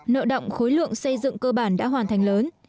nợ động khối lượng xây dựng cơ bản đã hoàn thành lớn